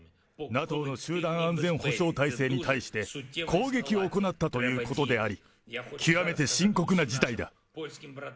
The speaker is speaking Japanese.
ＮＡＴＯの集団安全保障体制に対して攻撃を行ったということであり、極めて深刻な事態だ。